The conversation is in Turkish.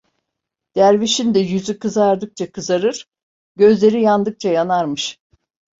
Dervişin de yüzü kızardıkça kızarır, gözleri yandıkça yanarmış.